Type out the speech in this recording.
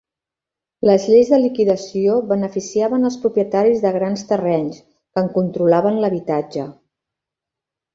Les lleis de liquidació beneficiaven els propietaris de grans terrenys, que en controlaven l'habitatge.